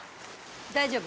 大丈夫？